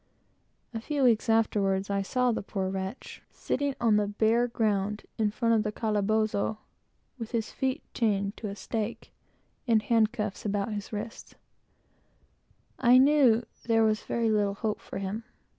A few weeks afterwards, I saw the poor wretch, sitting on the bare ground, in front of the calabozo, with his feet chained to a stake, and handcuffs about his wrists. I knew there was very little hope for him.